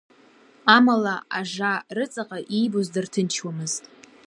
Амала ажа рыҵаҟа иибоз дарҭынчуамызт.